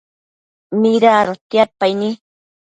mida adotiadpaini